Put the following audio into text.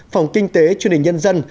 phòng kinh tế truyền hình nhân dân